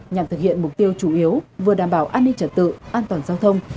nhằm thực hiện mục tiêu chủ yếu vừa đảm bảo an ninh trật tự an toàn giao thông